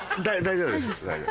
大丈夫ですか。